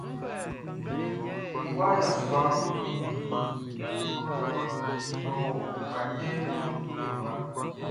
Mi wa yassua kun tɔ tupkatʃɛ tɛ kpa.